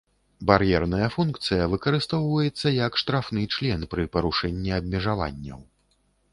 Бар'ерная функцыя выкарыстоўваецца як штрафны член пры парушэнні абмежаванняў.